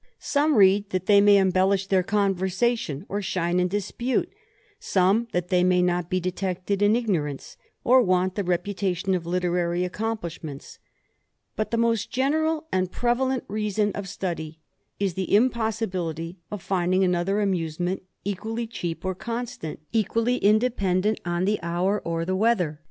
Some read that they may embellish their conversation, or shine in dispute; some that they may not be detected in ignorance, or want the reputation of literary accom plishments: but the most general and prevalent reason of study is the impossibility of finding another amusement equally cheap or constant, equally independent on the hour or the weather.